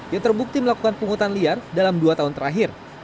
yang terbukti melakukan pungutan liar dalam dua tahun terakhir